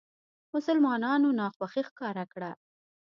مسلمانانو ناخوښي ښکاره کړه.